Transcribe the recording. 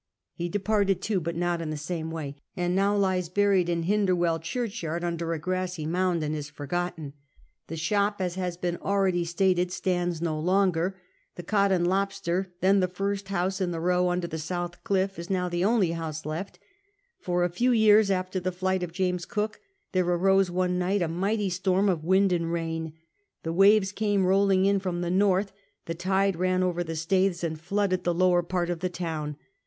He departed, too, but not in the same way, and now lies buried in Hinderwcll churchyard, under a grassy mound, and is forgotten. The shop, as has been already stated, stands no longer. The Cod and Lobster, then the first house in the row under the south cliff, is now the only house left For a few years after the flight of James Cook there arose one night a mighty storm of wind and rain ; the waves came rolling in from the north, the tide ran over the Staithes and flooded the lower part of the town.